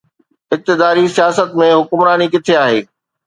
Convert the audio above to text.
اقتداري سياست ۾ حڪمراني ڪٿي آهي؟